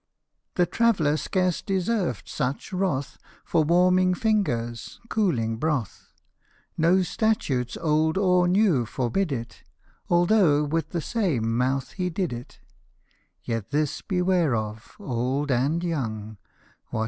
The traveller scarce deserved such wrath, For warming fingers cooling broth. No statutes old or new forbid it, Although with the same mouth he did it : Yet this beware of, old and young, What